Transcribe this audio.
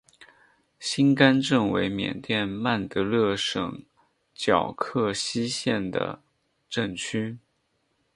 辛甘镇为缅甸曼德勒省皎克西县的镇区。